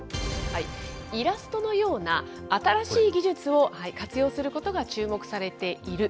イラストのような新しい技術を活用することが注目されている。